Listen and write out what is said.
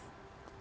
terima kasih mas